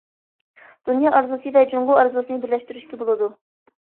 دۇنيا ئارزۇسى ۋە جۇڭگو ئارزۇسىنى بىرلەشتۈرۈشكە بولىدۇ.